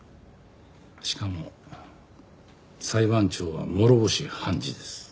しかも裁判長は諸星判事です。